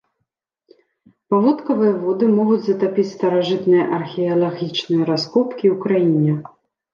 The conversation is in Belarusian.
Паводкавыя воды могуць затапіць старажытныя археалагічныя раскопкі ў краіне.